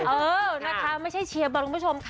เออนะคะไม่ใช่เชียร์บอลคุณผู้ชมค่ะ